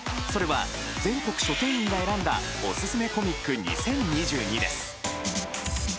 それは全国書店員が選んだおすすめコミック２０２２です。